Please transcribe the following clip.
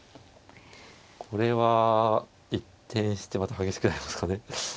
これは一転してまた激しくなりますかね。